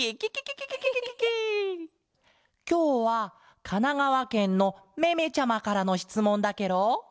きょうはかながわけんのめめちゃまからのしつもんだケロ。